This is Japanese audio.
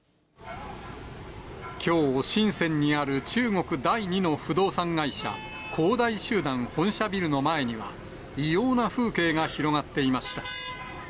きょう深センにある中国第２の不動産会社、恒大集団本社ビルの前には、異様な風景が広がっていました。